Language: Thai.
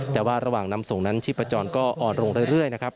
แต่ว่าระหว่างนำส่งนั้นชีพจรก็อ่อนลงเรื่อยนะครับ